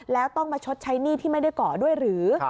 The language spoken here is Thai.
แล้วต้องมาชดใช้หนี้ที่ไม่ได้ก่อด้วยหรือ